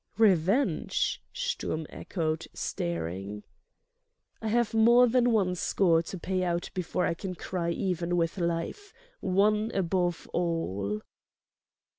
"Revenge?" Sturm echoed, staring. "I have more than one score to pay out before I can cry even with life ... one above all!"